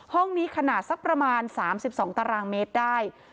ห้องนี้ขนาดสักประมาณ๓๒ตารางเมตรได้